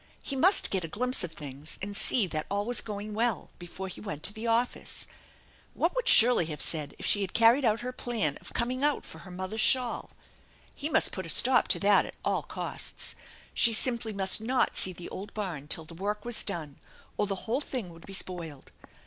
He must get a glimpse of things and see that all was going well before he went to the office. What would Shirley have said if she had carried out her plan of coming out for her mother's shawl? He must put a stop to that at all costs. She simply must not see the old barn till the work was done, or the whole thing would be spoiled.